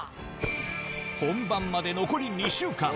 本番まで残り２週間。